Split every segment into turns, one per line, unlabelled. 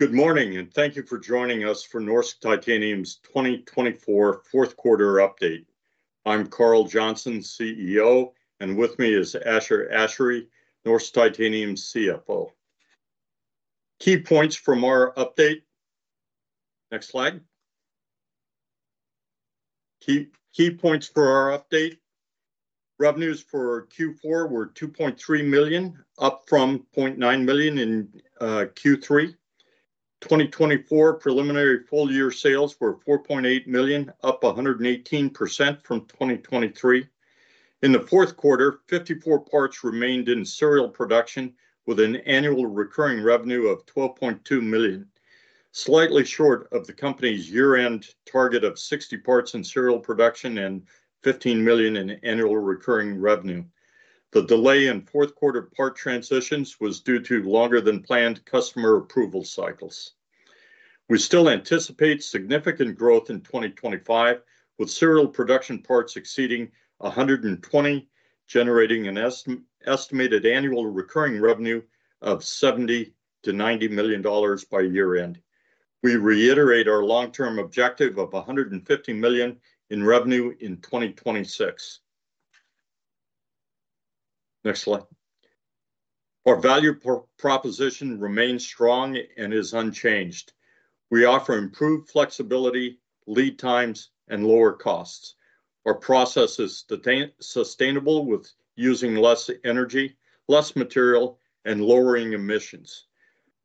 Good morning, and thank you for joining us for Norsk Titanium's 2024 fourth quarter update. I'm Carl Johnson, CEO, and with me is Ashar Ashary, Norsk Titanium CFO. Key points from our update. Next slide. Key points for our update: Revenues for Q4 were $2.3 million, up from $0.9 million in Q3. 2024 preliminary full-year sales were $4.8 million, up 118% from 2023. In the fourth quarter, 54 parts remained in serial production, with an annual recurring revenue of $12.2 million, slightly short of the company's year-end target of 60 parts in serial production and $15 million in annual recurring revenue. The delay in fourth quarter part transitions was due to longer-than-planned customer approval cycles. We still anticipate significant growth in 2025, with serial production parts exceeding $120, generating an estimated annual recurring revenue of $70 million-$90 million by year-end. We reiterate our long-term objective of $150 million in revenue in 2026. Next slide. Our value proposition remains strong and is unchanged. We offer improved flexibility, lead times, and lower costs. Our process is sustainable, with using less energy, less material, and lowering emissions.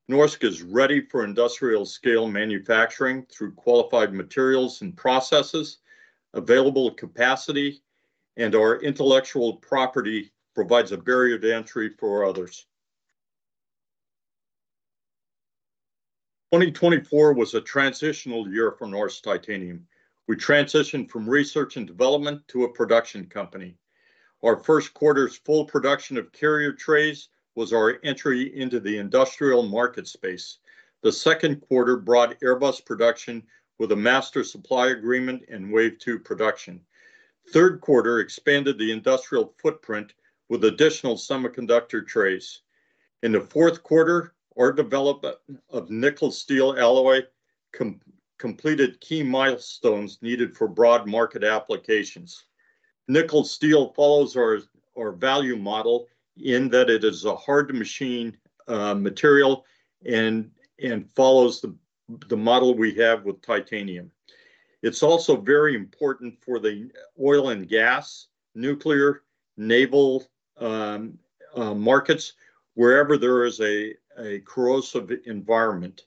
Norsk is ready for industrial-scale manufacturing through qualified materials and processes, available capacity, and our intellectual property provides a barrier to entry for others. 2024 was a transitional year for Norsk Titanium. We transitioned from research and development to a production company. Our first quarter's full production of carrier trays was our entry into the industrial market space. The second quarter brought Airbus production with a master supply agreement and Wave 2 production. Third quarter expanded the industrial footprint with additional semiconductor trays. In the fourth quarter, our development of nickel steel alloy completed key milestones needed for broad market applications. Nickel steel follows our value model in that it is a hard machine material and follows the model we have with titanium. It's also very important for the oil and gas, nuclear, naval markets, wherever there is a corrosive environment.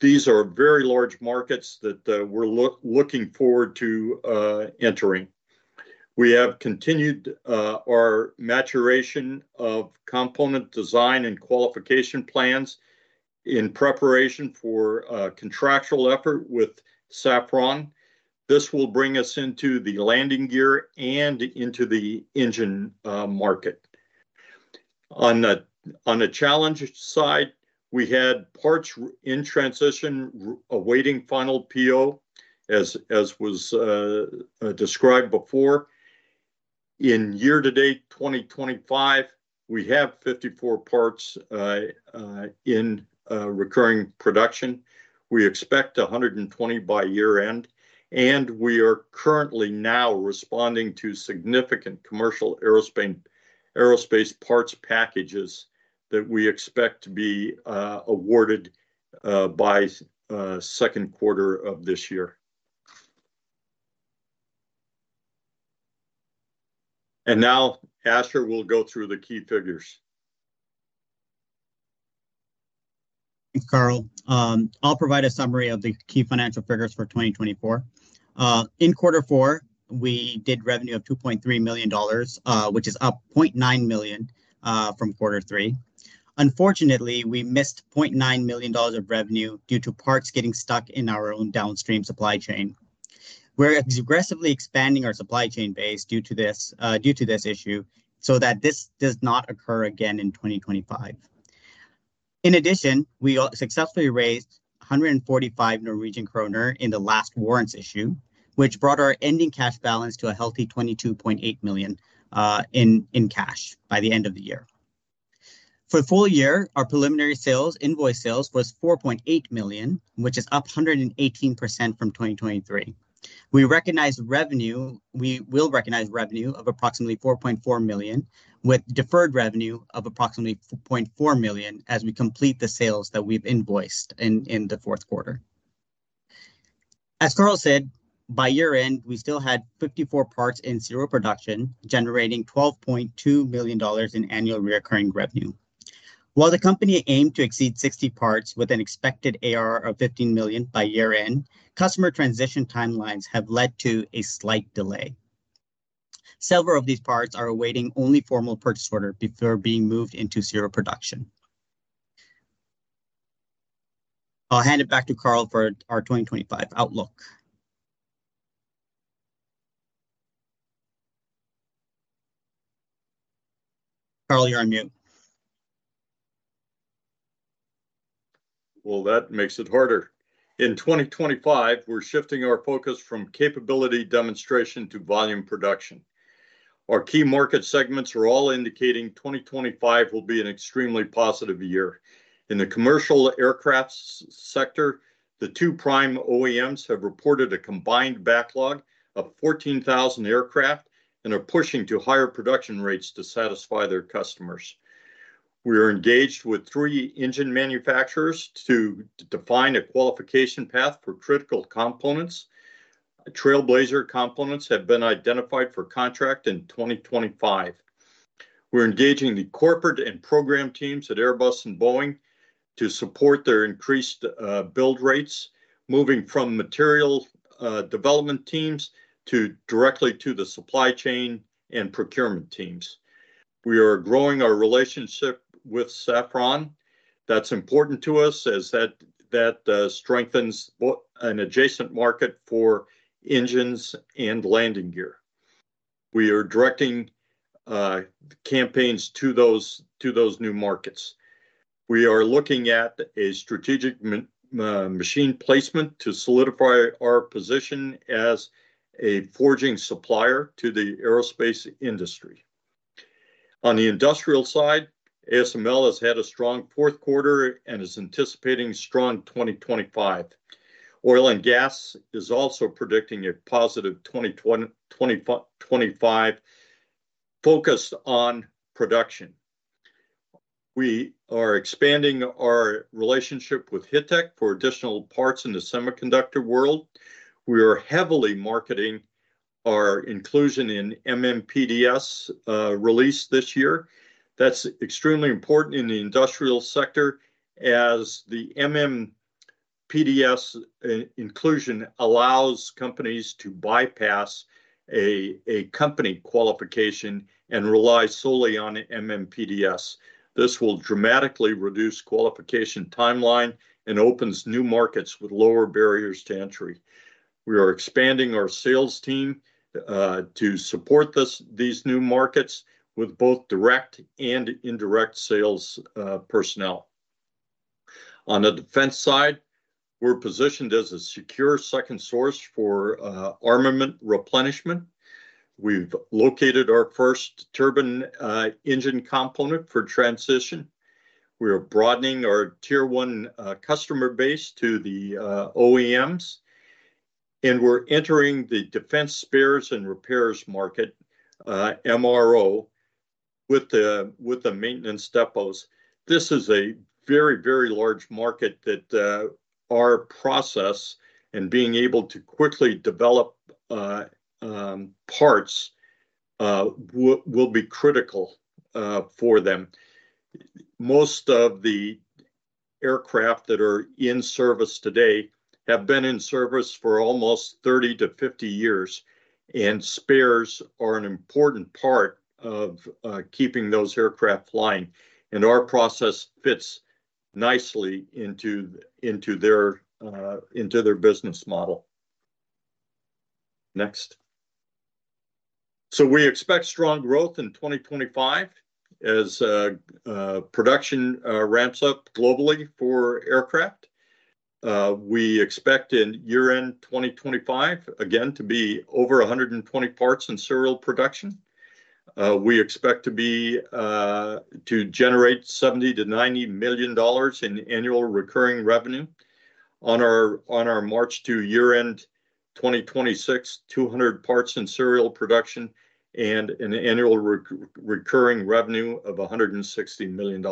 These are very large markets that we're looking forward to entering. We have continued our maturation of component design and qualification plans in preparation for a contractual effort with Safran. This will bring us into the landing gear and into the engine market. On the challenge side, we had parts in transition, awaiting final PO, as was described before. In year-to-date 2025, we have 54 parts in recurring production. We expect 120 by year-end, and we are currently now responding to significant commercial aerospace parts packages that we expect to be awarded by second quarter of this year. And now, Ashar will go through the key figures.
Thanks, Carl. I'll provide a summary of the key financial figures for 2024. In quarter four, we did revenue of $2.3 million, which is up $0.9 million from quarter three. Unfortunately, we missed $0.9 million of revenue due to parts getting stuck in our own downstream supply chain. We're aggressively expanding our supply chain base due to this issue so that this does not occur again in 2025. In addition, we successfully raised 145 Norwegian kroner in the last warrants issue, which brought our ending cash balance to a healthy $22.8 million in cash by the end of the year. For the full year, our preliminary sales, invoice sales, was $4.8 million, which is up 118% from 2023. We recognize revenue. We will recognize revenue of approximately $4.4 million, with deferred revenue of approximately $4.4 million as we complete the sales that we've invoiced in the fourth quarter. As Carl said, by year-end, we still had 54 parts in serial production, generating $12.2 million in annual recurring revenue. While the company aimed to exceed 60 parts with an expected ARR of $15 million by year-end, customer transition timelines have led to a slight delay. Several of these parts are awaiting only formal purchase order before being moved into serial production. I'll hand it back to Carl for our 2025 outlook. Carl, you're on mute.
That makes it harder. In 2025, we're shifting our focus from capability demonstration to volume production. Our key market segments are all indicating 2025 will be an extremely positive year. In the commercial aircraft sector, the two prime OEMs have reported a combined backlog of 14,000 aircraft and are pushing to higher production rates to satisfy their customers. We are engaged with three engine manufacturers to define a qualification path for critical components. Trailblazer components have been identified for contract in 2025. We're engaging the corporate and program teams at Airbus and Boeing to support their increased build rates, moving from material development teams directly to the supply chain and procurement teams. We are growing our relationship with Safran. That's important to us as that strengthens an adjacent market for engines and landing gear. We are directing campaigns to those new markets. We are looking at a strategic machine placement to solidify our position as a forging supplier to the aerospace industry. On the industrial side, ASML has had a strong fourth quarter and is anticipating a strong 2025. Oil and gas is also predicting a positive 2025, focused on production. We are expanding our relationship with Hittech for additional parts in the semiconductor world. We are heavily marketing our inclusion in MMPDS released this year. That's extremely important in the industrial sector as the MMPDS inclusion allows companies to bypass a company qualification and rely solely on MMPDS. This will dramatically reduce qualification timeline and opens new markets with lower barriers to entry. We are expanding our sales team to support these new markets with both direct and indirect sales personnel. On the defense side, we're positioned as a secure second source for armament replenishment. We've located our first turbine engine component for transition. We are broadening our Tier 1 customer base to the OEMs, and we're entering the defense spares and repairs market, MRO, with the maintenance depots. This is a very, very large market that our process and being able to quickly develop parts will be critical for them. Most of the aircraft that are in service today have been in service for almost 30-50 years, and spares are an important part of keeping those aircraft flying, and our process fits nicely into their business model. Next. So we expect strong growth in 2025 as production ramps up globally for aircraft. We expect in year-end 2025, again, to be over 120 parts in serial production. We expect to generate $70-$90 million in annual recurring revenue. On our march to year-end 2026, 200 parts in serial production and an annual recurring revenue of $160 million.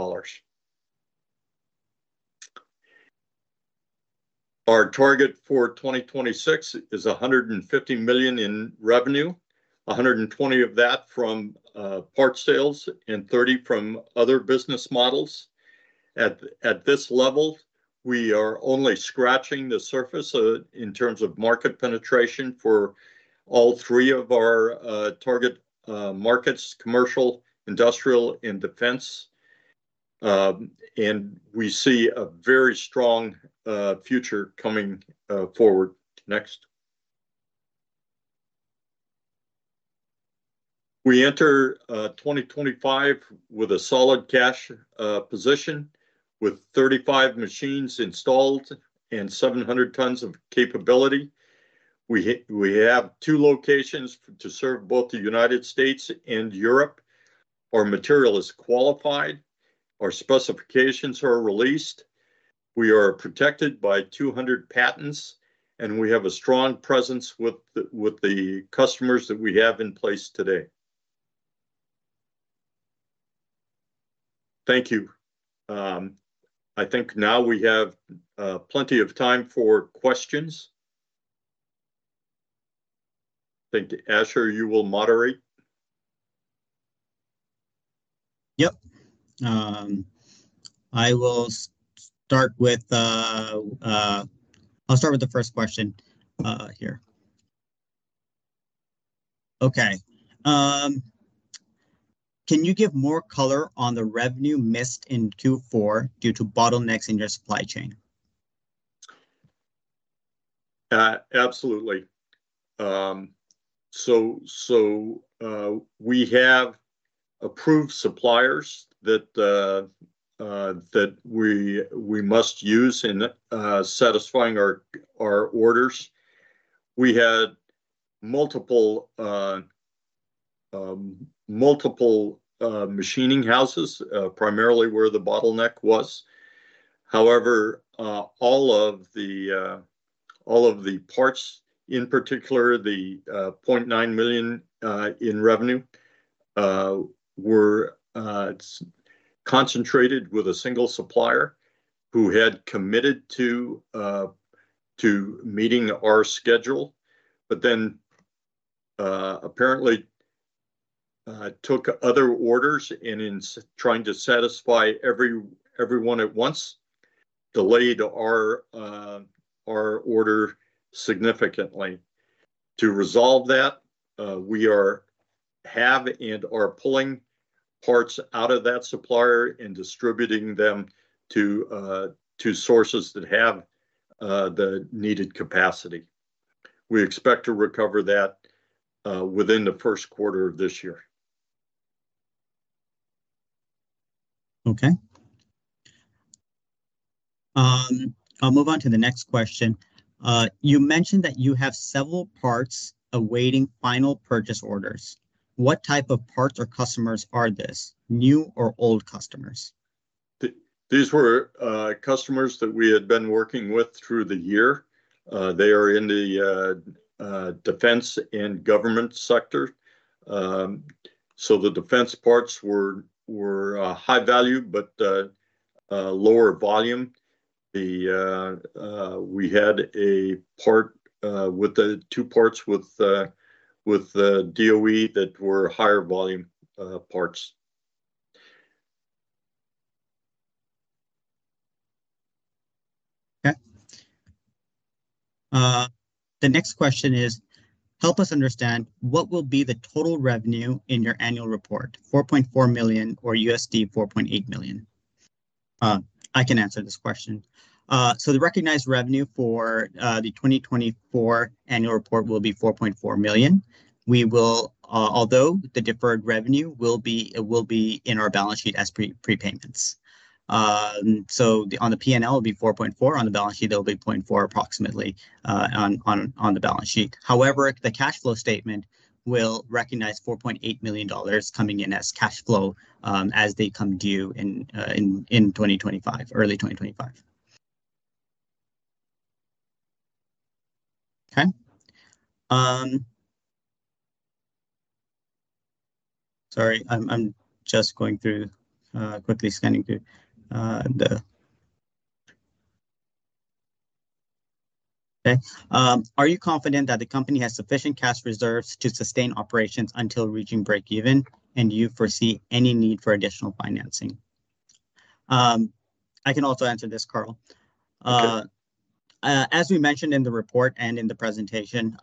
Our target for 2026 is $150 million in revenue, $120 of that from parts sales and $30 from other business models. At this level, we are only scratching the surface in terms of market penetration for all three of our target markets: commercial, industrial, and defense, and we see a very strong future coming forward. Next. We enter 2025 with a solid cash position, with 35 machines installed and 700 tons of capability. We have two locations to serve both the United States and Europe. Our material is qualified. Our specifications are released. We are protected by 200 patents, and we have a strong presence with the customers that we have in place today. Thank you. I think now we have plenty of time for questions. Thank you. Ashar, you will moderate.
Yep. I will start with the first question here. Okay. Can you give more color on the revenue missed in Q4 due to bottlenecks in your supply chain?
Absolutely, so we have approved suppliers that we must use in satisfying our orders. We had multiple machining houses, primarily where the bottleneck was. However, all of the parts, in particular the $0.9 million in revenue, were concentrated with a single supplier who had committed to meeting our schedule, but then apparently took other orders in trying to satisfy everyone at once, delayed our order significantly. To resolve that, we have and are pulling parts out of that supplier and distributing them to sources that have the needed capacity. We expect to recover that within the first quarter of this year.
Okay. I'll move on to the next question. You mentioned that you have several parts awaiting final purchase orders. What type of parts or customers are these, new or old customers?
These were customers that we had been working with through the year. They are in the defense and government sector. So the defense parts were high value, but lower volume. We had two parts with DOE that were higher volume parts.
Okay. The next question is, help us understand what will be the total revenue in your annual report, $4.4 million or $4.8 million? I can answer this question. So the recognized revenue for the 2024 annual report will be $4.4 million. Although the deferred revenue will be in our balance sheet as prepayments. So on the P&L, it will be $4.4. On the balance sheet, it will be $0.4 approximately on the balance sheet. However, the cash flow statement will recognize $4.8 million coming in as cash flow as they come due in early 2025. Okay. Sorry, I'm just going through quickly scanning through the okay. Are you confident that the company has sufficient cash reserves to sustain operations until reaching breakeven, and do you foresee any need for additional financing? I can also answer this, Carl. As we mentioned in the report and in the presentation,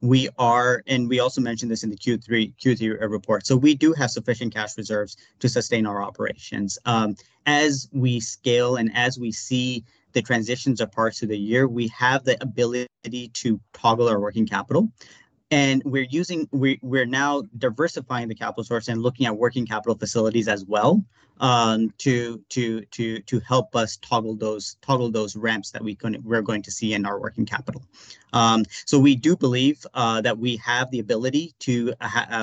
we are and we also mentioned this in the Q3 report. So we do have sufficient cash reserves to sustain our operations. As we scale and as we see the transitions of parts through the year, we have the ability to toggle our working capital. And we're now diversifying the capital source and looking at working capital facilities as well to help us toggle those ramps that we're going to see in our working capital. So we do believe that we have the ability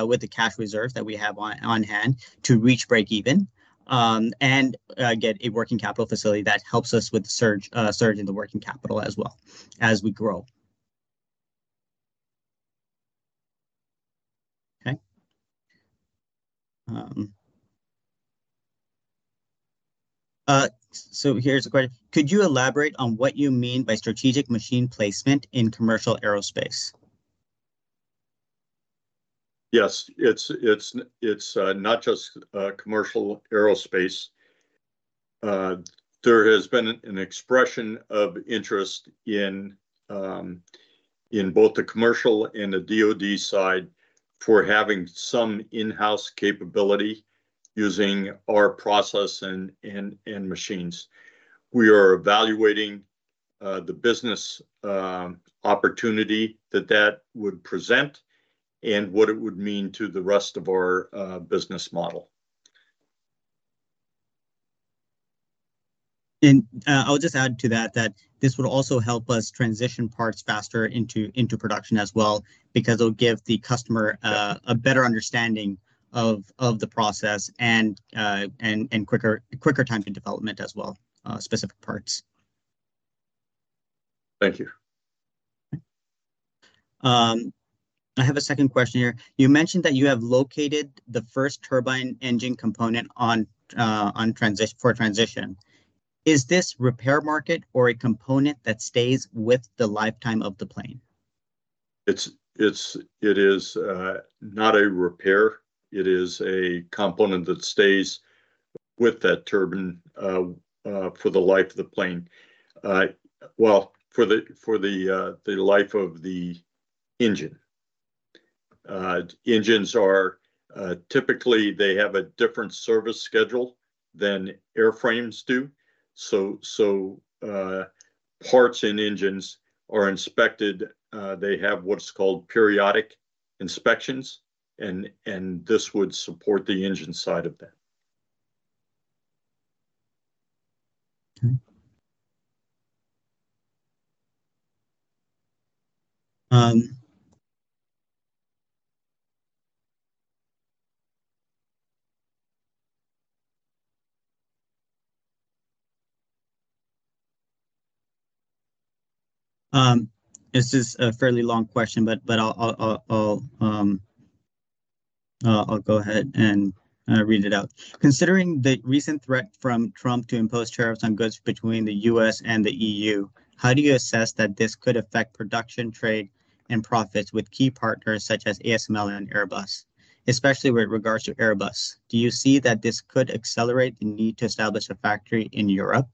with the cash reserves that we have on hand to reach breakeven and get a working capital facility that helps us with the surge in the working capital as well as we grow. Okay. So here's a question. Could you elaborate on what you mean by strategic machine placement in commercial aerospace?
Yes. It's not just commercial aerospace. There has been an expression of interest in both the commercial and the DoD side for having some in-house capability using our process and machines. We are evaluating the business opportunity that that would present and what it would mean to the rest of our business model.
I'll just add to that that this would also help us transition parts faster into production as well because it'll give the customer a better understanding of the process and quicker time to development as well, specific parts.
Thank you.
I have a second question here. You mentioned that you have located the first turbine engine component for transition. Is this repair market or a component that stays with the lifetime of the plane?
It is not a repair. It is a component that stays with that turbine for the life of the plane. Well, for the life of the engine. Engines are typically they have a different service schedule than airframes do. So parts and engines are inspected. They have what's called periodic inspections, and this would support the engine side of that.
Okay. This is a fairly long question, but I'll go ahead and read it out. Considering the recent threat from Trump to impose tariffs on goods between the U.S. and the E.U., how do you assess that this could affect production trade and profits with key partners such as ASML and Airbus, especially with regards to Airbus? Do you see that this could accelerate the need to establish a factory in Europe?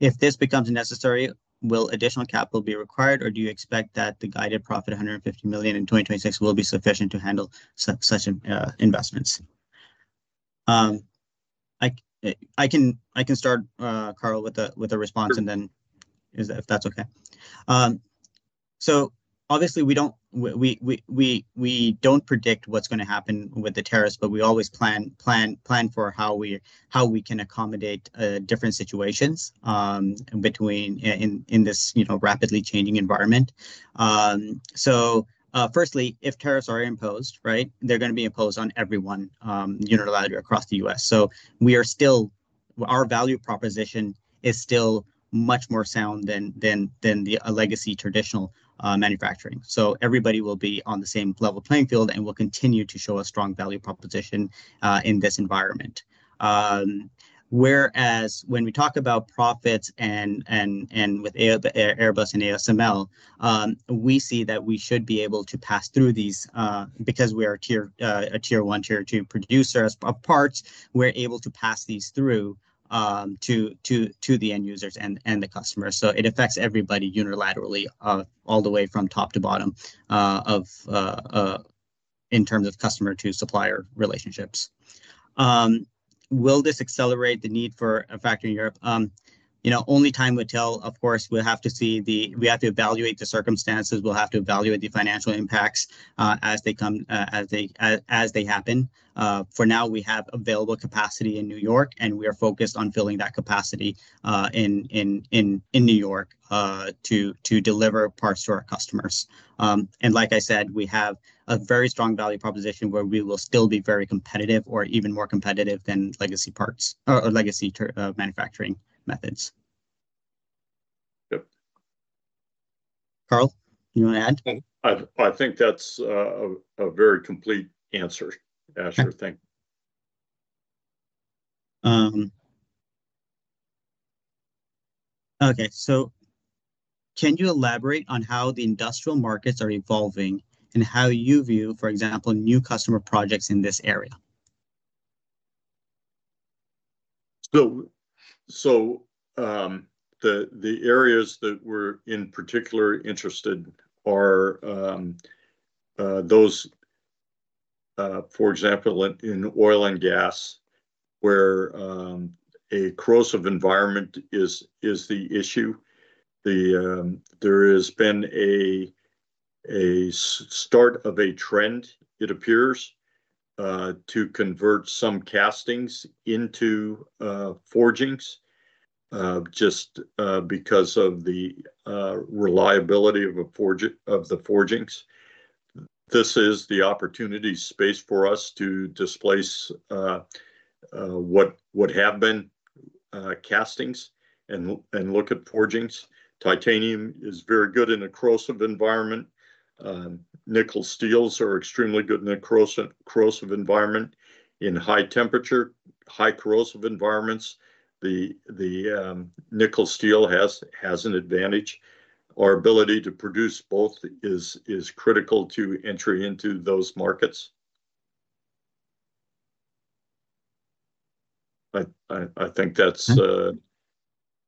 If this becomes necessary, will additional capital be required, or do you expect that the guided profit of $150 million in 2026 will be sufficient to handle such investments? I can start, Carl, with a response and then if that's okay. So obviously, we don't predict what's going to happen with the tariffs, but we always plan for how we can accommodate different situations in this rapidly changing environment. So firstly, if tariffs are imposed, right, they're going to be imposed on everyone unilaterally across the U.S. So our value proposition is still much more sound than the legacy traditional manufacturing. So everybody will be on the same level playing field and will continue to show a strong value proposition in this environment. Whereas when we talk about profits and with Airbus and ASML, we see that we should be able to pass through these because we are a Tier 1, Tier 2 producer of parts. We're able to pass these through to the end users and the customers. So it affects everybody unilaterally all the way from top to bottom in terms of customer to supplier relationships. Will this accelerate the need for a factory in Europe? Only time will tell. Of course, we'll have to see. We have to evaluate the circumstances. We'll have to evaluate the financial impacts as they happen. For now, we have available capacity in New York, and we are focused on filling that capacity in New York to deliver parts to our customers. And like I said, we have a very strong value proposition where we will still be very competitive or even more competitive than legacy parts or legacy manufacturing methods. Carl, you want to add?
I think that's a very complete answer, Ashar. Thank you.
Okay. So can you elaborate on how the industrial markets are evolving and how you view, for example, new customer projects in this area?
So the areas that we're in particular interested are those, for example, in oil and gas where a corrosive environment is the issue. There has been a start of a trend, it appears, to convert some castings into forgings just because of the reliability of the forgings. This is the opportunity space for us to displace what have been castings and look at forgings. Titanium is very good in a corrosive environment. Nickel steels are extremely good in a corrosive environment. In high temperature, high corrosive environments, the nickel steel has an advantage. Our ability to produce both is critical to entry into those markets. I think that's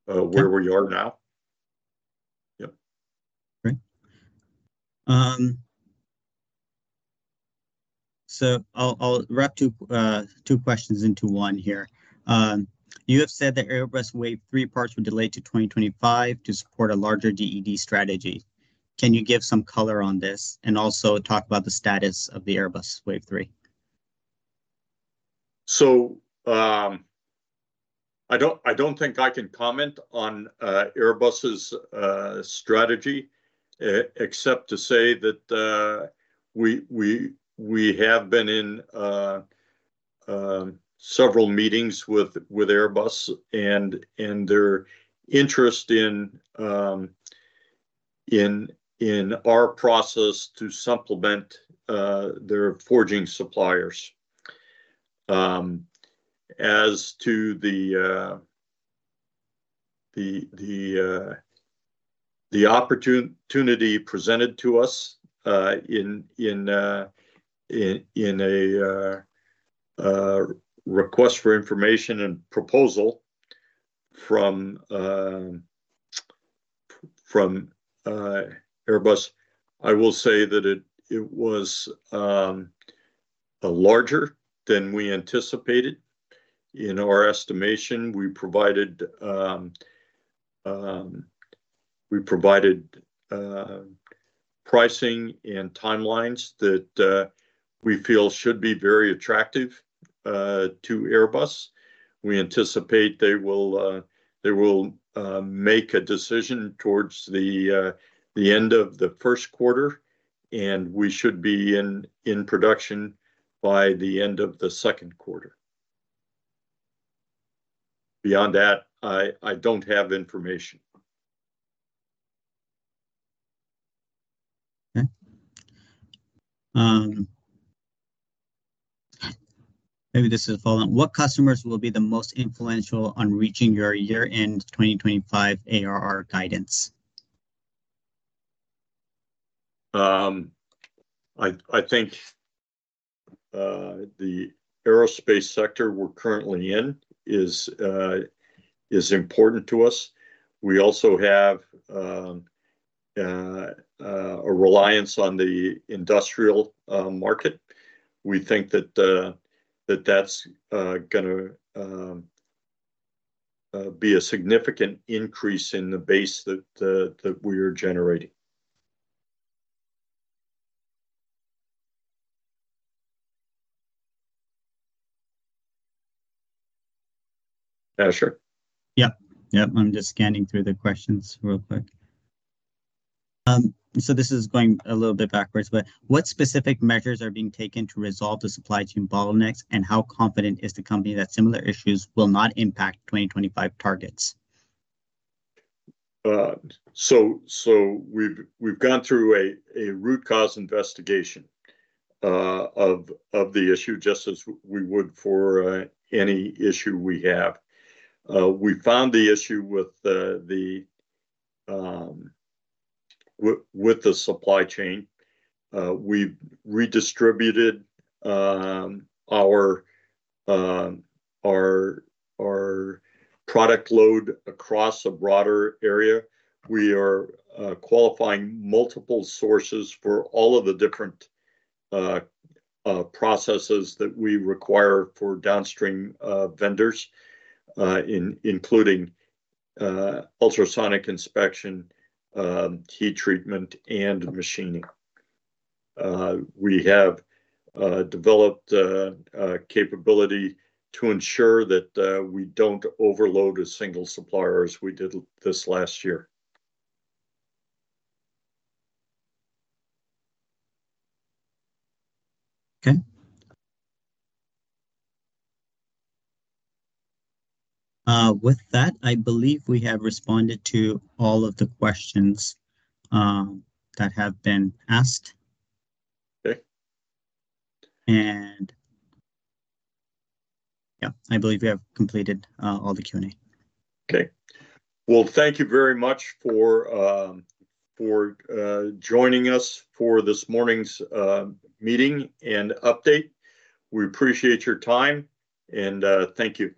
where we are now. Yep.
Great. So I'll wrap two questions into one here. You have said that Airbus Wave 3 parts were delayed to 2025 to support a larger DED strategy. Can you give some color on this and also talk about the status of the Airbus Wave 3?
So I don't think I can comment on Airbus's strategy except to say that we have been in several meetings with Airbus and their interest in our process to supplement their forging suppliers. As to the opportunity presented to us in a request for information and proposal from Airbus, I will say that it was larger than we anticipated. In our estimation, we provided pricing and timelines that we feel should be very attractive to Airbus. We anticipate they will make a decision towards the end of the first quarter, and we should be in production by the end of the second quarter. Beyond that, I don't have information.
Okay. Maybe this is a follow-up. What customers will be the most influential on reaching your year-end 2025 ARR guidance?
I think the aerospace sector we're currently in is important to us. We also have a reliance on the industrial market. We think that that's going to be a significant increase in the base that we are generating. Ashar?
Yep. I'm just scanning through the questions real quick, so this is going a little bit backwards, but what specific measures are being taken to resolve the supply chain bottlenecks, and how confident is the company that similar issues will not impact 2025 targets?
So we've gone through a root cause investigation of the issue just as we would for any issue we have. We found the issue with the supply chain. We've redistributed our product load across a broader area. We are qualifying multiple sources for all of the different processes that we require for downstream vendors, including ultrasonic inspection, heat treatment, and machining. We have developed the capability to ensure that we don't overload a single supplier as we did this last year.
Okay. With that, I believe we have responded to all of the questions that have been asked.
Okay.
Yeah, I believe we have completed all the Q&A.
Thank you very much for joining us for this morning's meeting and update. We appreciate your time, and thank you.